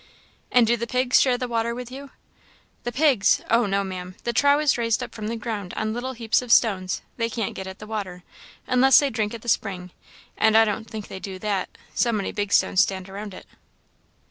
"And do the pigs share the water with you?" "The pigs! Oh, no, Maam; the trough is raised up from the ground on little heaps of stones; they can't get at the water, unless they drink at the spring, and I don't think they do that, so many big stones stand around it."